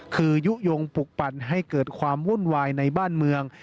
คือยุโยงปลุกปั่นให้เกิดความวุ่นวายในบ้านเมือง